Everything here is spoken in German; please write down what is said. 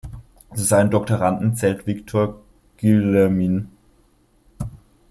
Zu seinen Doktoranden zählt Victor Guillemin.